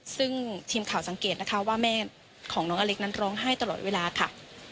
ซึ่งทีมข่าวสังเกตนะคะว่าแม่ของน้องอเล็กนั้นร้องไห้ตลอดเวลาค่ะ